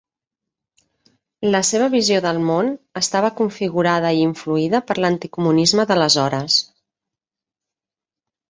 La seva visió del món estava configurada i influïda per l'anticomunisme d'aleshores.